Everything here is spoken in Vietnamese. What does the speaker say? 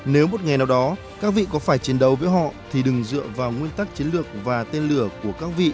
nếu một ngày nào đó các vị có phải chiến đấu với họ thì đừng dựa vào nguyên tắc chiến lược và tên lửa của các vị